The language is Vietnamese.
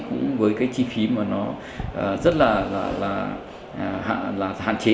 cũng với chi phí rất là hạn chế